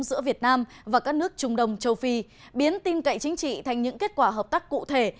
giữa việt nam và các nước trung đông châu phi biến tin cậy chính trị thành những kết quả hợp tác cụ thể